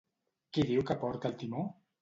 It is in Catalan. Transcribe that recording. Qui diu que porta el timó?